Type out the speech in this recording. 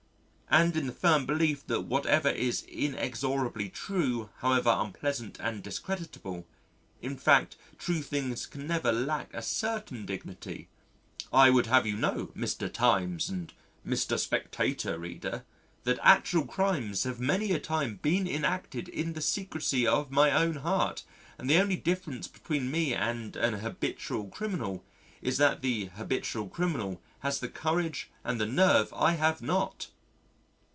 And in the firm belief that whatever is inexorably true however unpleasant and discreditable (in fact true things can never lack a certain dignity), I would have you know Mr. Times and Mr. Spectator reader that actual crimes have many a time been enacted in the secrecy of my own heart and the only difference between me and an habitual criminal is that the habitual criminal has the courage and the nerve and I have not.